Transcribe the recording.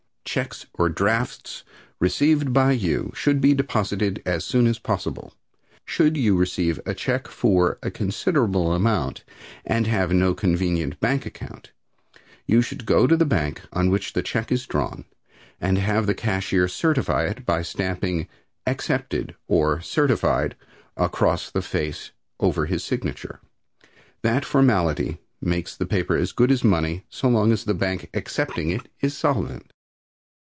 Checks or drafts received by you should be deposited as soon as possible. Should you receive a check for a considerable amount and have no convenient bank account, you should go to the bank on which the check is drawn and have the cashier certify it by stamping "Accepted" or "Certified" across the face over his signature. That formality makes the paper as good as money so long as the bank accepting it is solvent.